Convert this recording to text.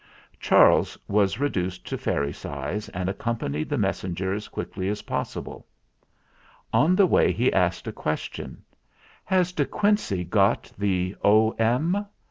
Charles was reduced to fairy size, and ac THE JACKY TOAD FAILS 257 companied the messenger as quickly as pos sible. On the way he asked a question. "Has De Quincey got the 'O.M.'?"